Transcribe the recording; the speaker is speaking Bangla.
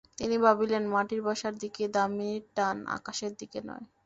তিনি ভাবিলেন, মাটির বাসার দিকেই দামিনীর টান, আকাশের দিকে নয়।